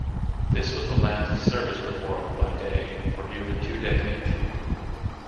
This was the last service performed by Day for nearly two decades.